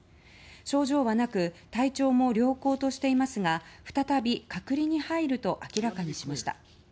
症状はなく体調も良好としていますが再び隔離に入ると明らかにしました。